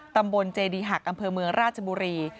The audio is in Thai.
ตำบลเจดีหักอำเภอเมืองราชบุรี